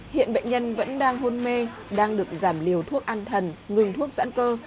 hiện bệnh nhân vẫn đang hôn mê đang được giảm liều thuốc ăn thần ngừng thuốc sản cơ